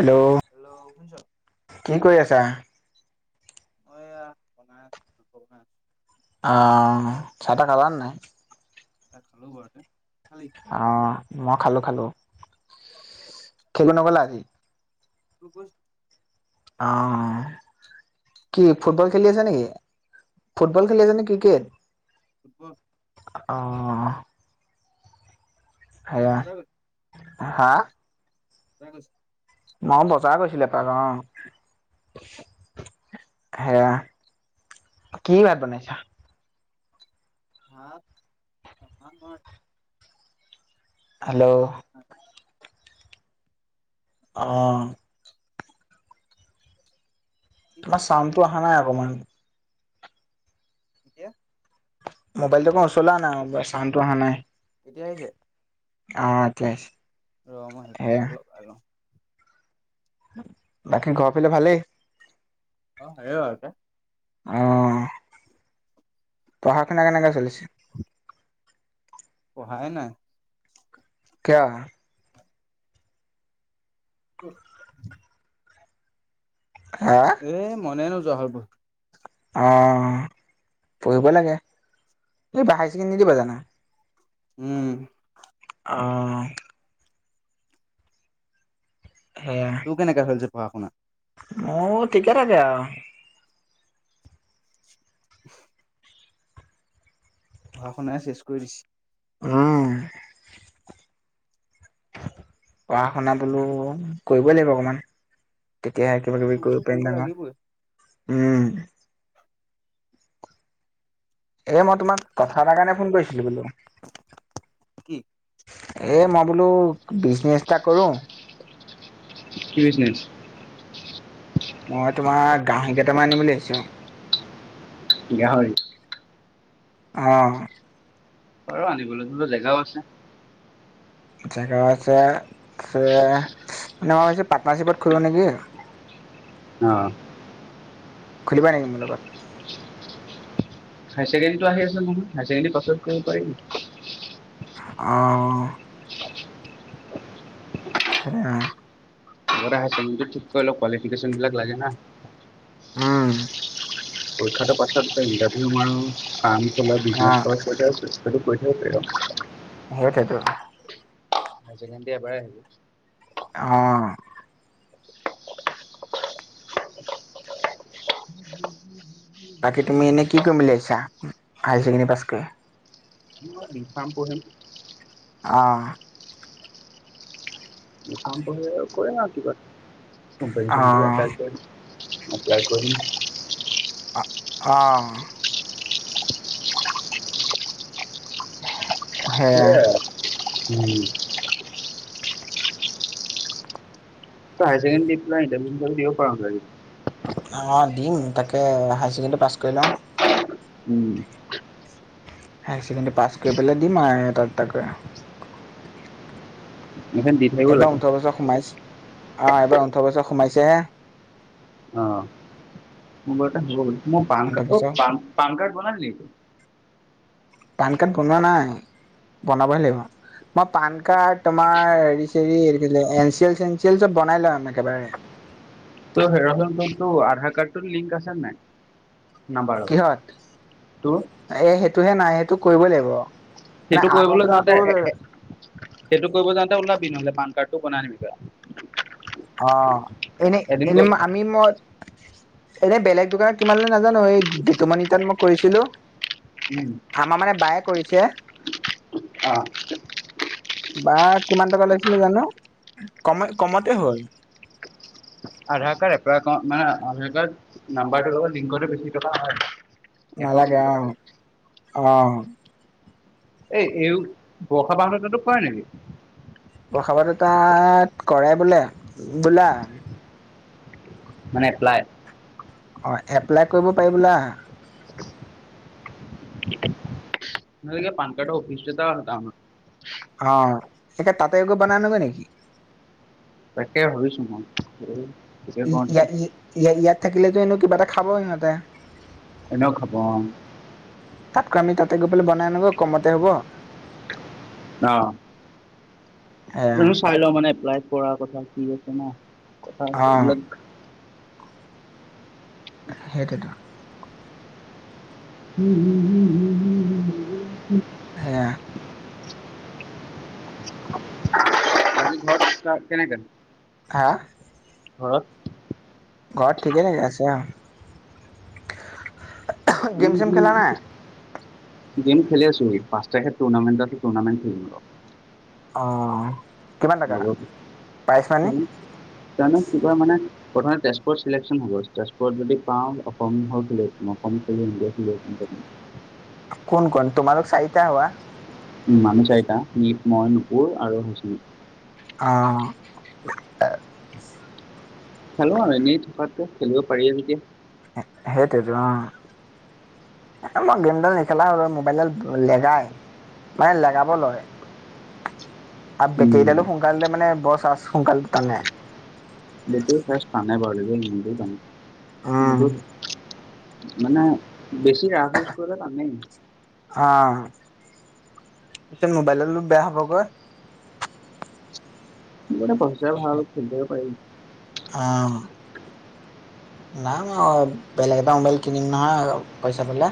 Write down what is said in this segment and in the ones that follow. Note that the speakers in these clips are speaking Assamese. হেল্ল' কি কৰি আছা মই এয়া বনাই আছো অ চাহ তাহ খালা নাই চাহ খালো বাৰু অ মই খালো খালো খেলিব নগলা আজি ত গৈছো অ কি তোক কলে ফুটবল কৈছ খেলি আছে নিকি ফুটবল খেলি আছে নে ক্ৰিকেট ফুটবল অহ তু কি সেয়া বুজাই হা তাকছ [unintelligible] নাই বজাৰ গৈছিলো এপাক অ সেয়া। কি ভাত বনাইছা? ভাত নাখাং মই উম হেল্ল' অ তোমাৰ চামটো অহা নাই অকমান। এতিয়া মোবাইল টো ওচৰলৈ আনা চাউডটো অহা নাই। এতিয়া আহিছে।। অ' এতিয়া আহিছে। ৰ মই সেয়া হেডফোনদাল লগাই লও। বাকী ঘৰ ফালে ভালেই। অ এতে [unintelligible] অ' পঢ়া শুনা কেনেকে চলিছে। [unintelligible] পঢ়াই নাই। কিয়? উ [unintelligible] হা এ মনে নোযোৱা হল বোৰ অ' পঢ়িব লাগে এই বাৰ হাইছেকেণ্ডাৰী নিদিবা জানা। উম, অহ, সেয়া তোৰ কেনেককাে চলিছে পঢ়া শুনা। মোৰ ঠিকে থাকে আৰু। [unintelligible] পঢ়া শুনাই চেচ কৰি দিছে। উম, পঢ়া শুনা বোলো কৰিবই লাগিব অকমান। তেতিয়াহে কিবা পঢ়া কিবি শুনাটো কৰিব পাৰিম নাঙা লাগিবই উম, এ মই তোমাক কথা এটা কাৰণে ফোন কৰিছিলো বোলো। কি? এ মই বোলো বিজনেচ এটা কৰো। কি বিজনেছ মই তোমাৰ গাহাৰি কেইটামান আনিম বুলি ভাবিছো। গাহৰি। অহ, পাৰ আনিবলে টোহটৰ জেগাও আছে জগা আছে আ। মানে মই হৈছে পাৰ্টনাৰশ্বিপত খোলো নেকি? অহ, খুলিবা নেকি মোৰ লগত। হাই ছেকেণ্ডেৰী টো আহি আছে বহুত হাই ছেকেণ্ডেৰী পাছত কৰিব পাৰি। অহ, সেই আৰু। লগত অহা চন টো ঠিক কৰি লও কোৱিফিকেশ্যন বিলাক লাগে না। উম, পৰীক্ষাতো পাছ কৰাৰ পিচত ইণ্টাৰনেট মাৰ কাম অ' চলাও। [unintelligible] [unintelligible] কয় টাকা। হায় চেকেণ্ডেৰী এবাৰে আহিব। অ'। বাকি তুমি এনেই কি কৰিম বোলি ভাবিচা হায়াৰ সেকেন্ডাৰি পাছ কৰি? বি ফাৰ্ম পঢ়িম। অ'। কাম আৰু কিবা। [unintelligible] অ', এপ্লাই কৰিম। অ'। [inaudible] [unintelligible] তয় হায়াৰ [unintelligible] অ' দিম তাকে হায় সেকেন্ডাৰি পাছ কৰি লওঁ। উম। হায় সেকেন্ডাৰি পাছ কৰি পেলাই দিম আৰু ইহতক তাকে। এইখন দি থাকিব এবাৰ লাগে ওঠৰ বছৰ সোমাইছে অ' এবাৰ [unintelligible] বছৰ সোমাইছেহে। অঁ [unintelligible] অ' প্যান ওঠৰ বছৰ কাৰ্ড বনালি? প্যান কাৰ্ড বনোৱা নাই। বনাবহে লাগিব মই পান কাৰ্ড তোমাৰ হৰি, চেৰি এনচিল চেনয়িল বনাই লম একেবাৰে। [unintelligible] আধাৰ কাৰ্ডটোৰ লিংক আছে নাই? নাম্বাৰ লগত কিহত তোৰ এ' সেইটোহে নাই সেইটো কৰিবই লাগিব। মানে সেইটো আগৰ কৰিবলৈ ফোনটোৰ যাওঁতে ওলাবি নহলে পান কাৰ্ড ত' বনায় আনিবি। [unintelligible] অ' এনে, এদিন এনে গৈ আমি মই এনে বেলেগ দোকানত কিমানলৈ নাজানো এই গিটুমনিৰটাত মই কৰিছিলো। উম, আমাৰ মানে বায়ে কৰিছে। অ'। বাৰ কিমান টকা লইছিলে জানো কমতে হ'ল। আধাৰ কাৰ্ড এপলাই কৰা মানে আধাৰ কাৰ্ড নামবাৰ তেৰ লগত। [unintelligible] এখ নালাগে কিমান অ টকা হয়। অ'। এই এইও [unintelligible] নেকি? প্ৰসাৱা [unintelligible] কৰে বোলে বোলা মানে এপ্লাই অ' এপ্লাই কৰিব পাৰি বোলা। তাতে কিবা পান কাৰ্ডৰ অফিচ এটা। [unintelligible] অ' এতিয়া তাঁতে গৈ বনাই আনোগে নেকি? তাকে ভাবিছো মই। তাকে কওঁ নেকি ইয়াত থাকিলেতো এনোও কিবা এটা খাব সিহঁতে। এনেও খাব অ'। তাতকৈ আমি তাতে গৈ পেলাই বনাই আনোগে কমতে হ'ব। অ' সেয়া ময়ো চাই লও মানে এপ্লাইত। কৰা কথা কি আছে ন কথা অ [unintelligible] সেইটোয়েতো। হুম, হুম [unintelligible] [unintelligible] কেনেকে? হাঁ ঘৰত ঘৰত ঠিকেই থিকে আছা অ' গেম চেম ঘৰত খেলা নাই গেম খেলি আছো পাঁচটা সেই টুৰ্ণামেণ্ট আছে টুৰ্ণামেণ্ট খেলিম ৰ অ', কিমান টকা প্ৰাইজ মানি জানো কিবা মানে প্ৰথমে তেজপুৰত চিলেকশ্যন হও তেজপুৰত যদি পাওঁ অসম হয় [inaudible] কোন কোন তোমালোক চাৰিটা হোৱা উম মানুহ চাৰিটা নীপ মই নুপুৰ আৰু হুচন অ', খেলো আৰু এনেই থকাতকে খেলিব পাৰি যেতিয়া সেইটোৱেই টো অ', এ মই গেমডাল নেখেলা হলো মোবাইলডাল লেঘাই নাই লেগাব লয় আৰু উম, বেটেৰীডালো সোনকালে মানে বৰ চাৰ্জ সোনকালে তানে বেটেৰী চাৰ্চ তানে বাৰু দেইনিজেই জানো উম মোৰটোত মানে বেছি ৰাফ ইউজ কৰিলে টানেই অ পিছত মোবাইল ডালো বেয়া হ'বগৈ সেইকাৰণে মানে পইচাই ভাল খেলিব পাৰিম অ', নাই ম‌ই বেলেগ এটা মোবাইল কিনিম নহয় পইচা পালে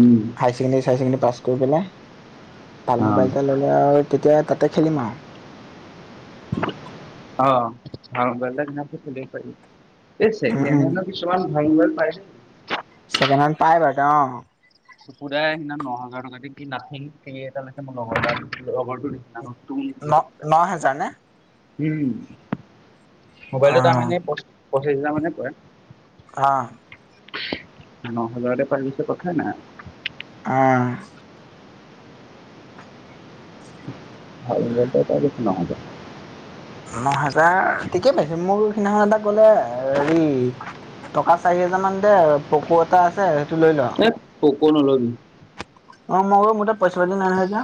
উম, হাই চেকেণ্ডেৰী ছাই চেকেণ্ডেৰী পাছ কৰি পেলাই ভাল অ' মোবাইল এটা ললে আৰু তেতিয়া তাতে খেলিম আৰু অ', ভাল মোবাইল এটা কিনাৰ পিছত খেলি থাকিব পাৰি এই উম উম ছেকেণ্ড হেন্ডৰ কিছুমান ভাল মোবাইল পাই দেই ছেকেণ্ড হেন্ড পাই বাৰু অ', চুপুদাই সিদিনা ন হাজাৰ টকা কি নাথিং থ্ৰি এটা ল‌ইছে মোৰ লগৰ লগৰটোৰ নিচিনা ন ন ন হেজাৰ নে উম অ মোবাইলত তোৰ দাম এনে প পঁচিছ হাজাৰ মানে পৰে অ', ন হাজাৰতে পাই গৈছে কথাই নাই অ' [unintelligible] ন হেজাৰ ঠিকে পাইছে মোৰ সিদিনাখন এটা ক'লে হেৰি টকা চাৰি হাজাৰ মান দে পকো এটা আছে সেইটো লৈ ল পকো নলবি অ' মই বোলো মো তা পইচা পাতি নাই নহয় এতিয়া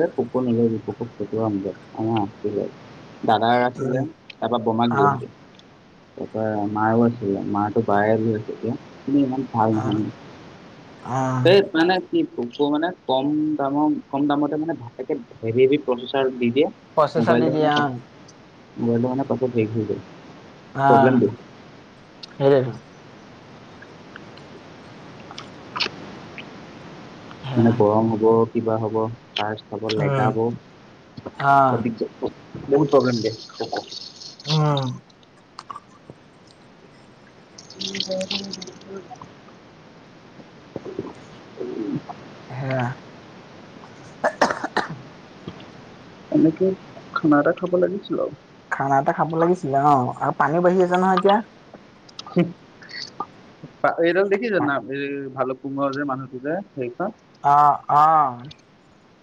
এ পকো নলবি পকো ফটোৱা মোবাইল আমাৰ আছিলে দাদাৰ আছিলে উম, তাৰ পৰা বোমাক অ', দিলেহেতো তাৰপৰা মায়ো আছিলে মাটো বায়ে লৈ আছে এতিয়া ইমান মান ভাল অ', নহয় অ', এই তেনে কি প্ৰকো মানে কম দামত কম দামতে মানে হেভি হেভি প্ৰচেচাৰ দি প্ৰচেছাৰ দি মোবাইলটো মানে দিয়ে অ', মোবাইলটো মানে পাছত হেয়ি হৈ গল প্ৰব্লেম অ', দিয়ে হেটো সেয়া মানে গৰম হ'ব কিবা হ'ব চাৰ্চ যাব উম, লেগাব অ', বহুত প্ৰব্লেম দিয়ে পকো উম [unintelligible] হে এনেকে খানা এটা খাব লাগিছিল আৰু খানা এটা খাব লাগিছিলে অ আৰু পানীও বাঢ়ি আছে নহয় এতিয়া এইদম দেখিছ ন এই ভাল কোঙৰ যে মানুহটো যে সেইখন অ অ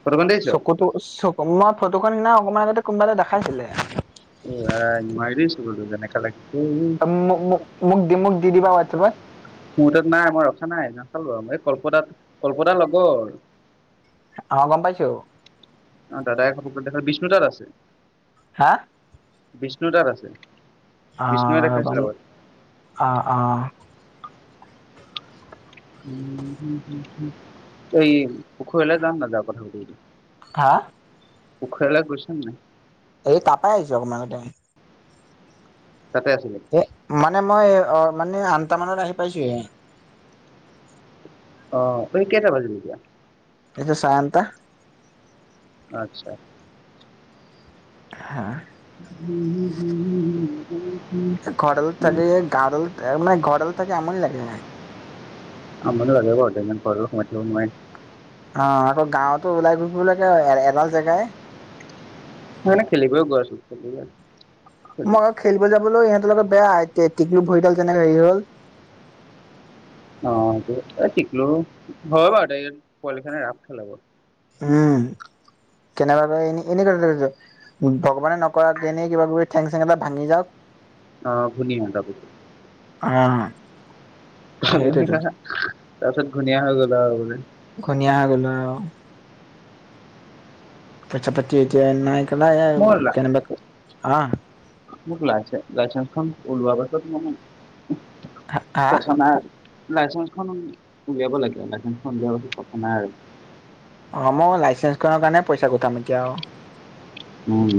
ফটোখন দেখিছ চকুতো চ ম ফটোখন খিনা অকণমান আগতে কোনোবালে দেখাইছিলে অ মইি চ যেনেে কাল মুগ্ধি মুগ দি দি ম ম মই মহ্তত নাই মই ৰখা নাই নাচালো এই কলপতাত কল্পতাৰ লগৰ অ গম পাইছো অ দাদা এ খাপ দেখাৰ বিষ্ণুদ আছে হা বিষ্ণু দাত আছে বিষ্ণুৱে আহ দেখাইছিল আগত অ অ এই পুখুৰলৈ যাাম না যাওঁ কথা পাতি হা পুখৰা ল গুছাম নাই এই তাপাই আহিছো আকমাৰতে তাতে আছিলে এ মানে মই অ মানে আন্তামানত আহি পাইছোহে অ তুমি কেইটা বাজিলতিয়া এইটোয়া চায়ন্ত আচ্ছা হা হম হুম হুম হ হ ঘৰল থাকে গল মানে ঘৰল থাকে এন লাগে আমত ভ ক ম আৌ গাঁৱতো ওলাই ঘুৰিব লাগে এ এডাল জেগাই ম নে খেলে গও গৈ আছো খ মই আকৌ খেলিব যাবলৈও ইহঁতে ে বেয়া এতিয়া টিকলু ভৰিডাল যেনেকে হেৰি হল অ শিকলো হয় বাৰু ত পোৱালিখানে ৰাগ খেলাব উম কেনেবাকৈ এনে এনেো ভগৱানে নকৰাক এনেই কিবা কিবি থেং চেং এটা ভাঙি যাওক অ ধুনিয়টা ব অ তাৰ সেইটোৱেতো পিছত ধুনীয়া হৈ গ'ল আৰু বোলে। অ পইচা-পাতি এতিয়া নাই কেলা মোৰ লা- কেনেবা কে অ মোক লাই লাইচেন্স খন ওলোৱাৰ পাছত মোক হা [unintelligible] লাইচেন্স খন উলিয়াব লাগে লাইচেন্স খন কথা নাই আৰু। অ মই লাইচেন্সখনৰ কাৰণে পইচা গোটাম এতিয়া আৰু। উম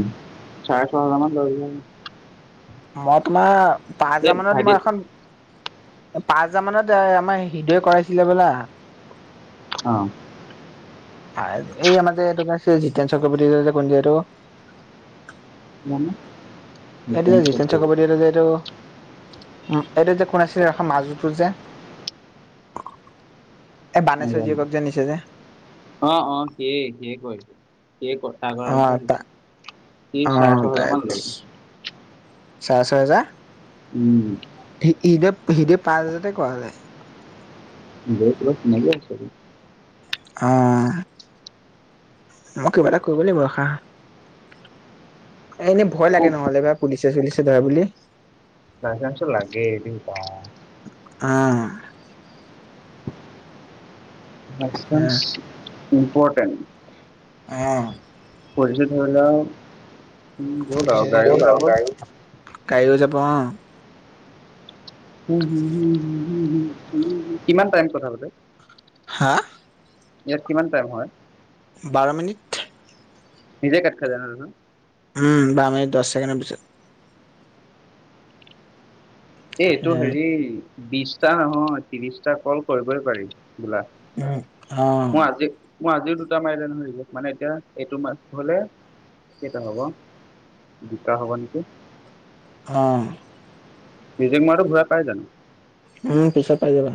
চাৰে ছয় হাজাৰ মান ল য মই তোমাৰ পাঁচ হাজাৰ মানত মই এখন পাঁচ হাজাৰ মানত আমাৰ হৃদয় কৰাইছিলে বোলে। অ এই আমাৰ যে এইটো জিতেন চক্ৰৱৰ্তী কোন যে এইটো? [inaudible] এইটো যে ক'ত জিতেন কৰিব চক্ৰৱৰ্তী যে এইটো এইটো যে কোন আছিলে মাজুটো যে এই বানেশ্বৰ জীয়েকক যে নিছে যে অ' অ' সে সে কৈছে স কটা অ কৰাৰ কথা তা কৈছে, সি অ চাৰে ছহেজাৰ মানে লয়। চাৰে ছয় হেজাৰ? উম। [unintelligible] পাঁচ হাজাৰতে কৰা যায়। [inaudible] আহ। মই কিবা এটা কৰিব লাগিব ৰখা। এ এনেই ভয় লাগে খুব নহ'লে বা পুলিচ-চুলিছে ধৰা বুলি। [unintelligible] অ'। [unintelligible] ইম্পৰ্টেণ্ট। আহ। পুলিচে ধৰিলে আৰু উম গ'ল আৰু গাড়ীও যাব। গাড়ীও যাব ও। উম হম হ হ কিমান টাইম কথা পাতে? হা? ইয়াত কিমান টাইম হয়? বাৰ মিনিট। নিজে কাট খাই যায় ন? উম বাৰ মিনিট দহ ছেকেণ্ডৰ পিছত। এই এইটো হেৰি উম বিশটা নহয় ত্ৰিশটা কল কৰিবই পাৰি। বোলা, অ মই আজি মই আজিও দুটা মাৰিলে নহয় ৰিজেক্ট, মানে এতিয়া এইটো হ'লে কেইটা হ'ব দুটা হ'ব নেকি? অ'। ৰিজেক্ট মৰাতো ঘূৰাই পাই জানোঁ? অ' পইচা পাই যাবা।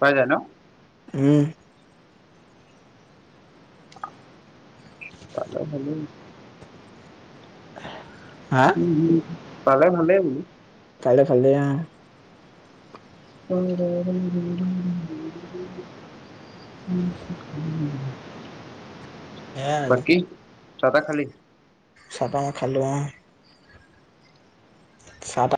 পাই যায় ন? উম। [inaudible] [inaudible] উম উম পালে ভালে বোলো। [unintelligible] [unintelligible] উম। সেয়াই আৰু বাকি চাহ তাহ খালি? চাহ তাহ মই খালো অ চাহ